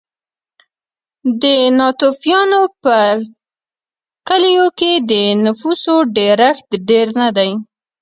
د ناتوفیانو په کلیو کې د نفوسو ډېرښت ډېر نه دی.